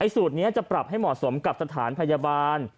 สูตรนี้จะปรับให้เหมาะสมกับสถานพยาบาล